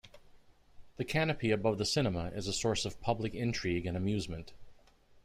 The canopy above the cinema is a source of public intrigue and amusement.